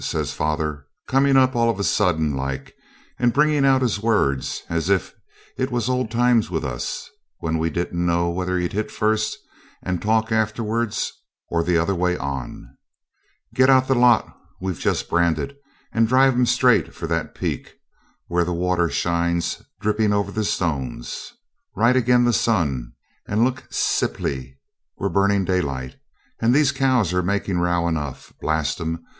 says father, coming up all of a sudden like, and bringing out his words as if it was old times with us, when we didn't know whether he'd hit first and talk afterwards, or the other way on, 'get out the lot we've just branded, and drive 'em straight for that peak, where the water shines dripping over the stones, right again the sun, and look slippy; we're burning daylight, and these cows are making row enough, blast 'em!